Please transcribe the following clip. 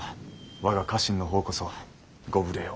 我が家臣の方こそご無礼を。